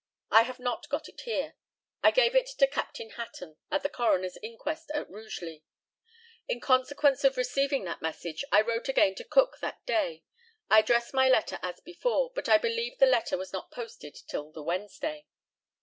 I have not got it here. I gave it to Captain Hatton, at the coroner's inquest at Rugeley. In consequence of receiving that message I wrote again to Cook that day. I addressed my letter as before, but I believe the letter was not posted till the Wednesday.